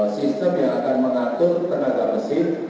sistem yang akan mengatur tenaga mesin